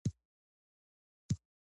که ناروغان سپورت ونه کړي، وضعیت یې خرابېږي.